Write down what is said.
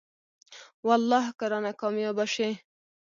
والله که رانه کاميابه شې.